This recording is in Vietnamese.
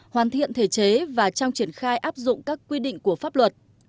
hoàn thiện thể chế và trong triển khai áp dụng các quy định của pháp luật